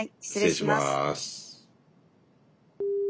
失礼します。